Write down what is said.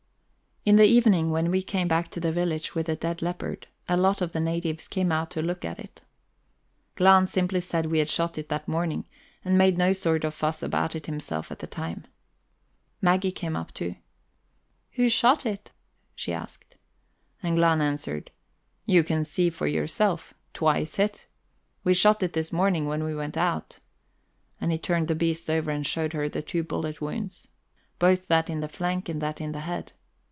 In the evening, when we came back to the village with the dead leopard, a lot of the natives came out to look at it. Glahn simply said we had shot it that morning, and made no sort of fuss about it himself at the time. Maggie came up too. "Who shot it?" she asked. And Glahn answered: "You can see for yourself twice hit. We shot it this morning when we went out." And he turned the beast over and showed her the two bullet wounds, both that in the flank and that in the head.